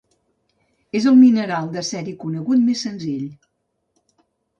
És el mineral de ceri conegut més senzill.